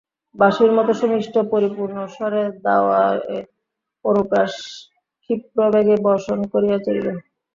বাঁশির মতো সুমিষ্ট পরিপূর্ণস্বরে দাশুরায়ের অনুপ্রাস ক্ষিপ্রবেগে বর্ষণ করিয়া চলিল।